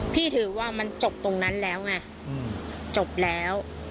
ถือว่ามันจบตรงนั้นแล้วไงจบแล้ว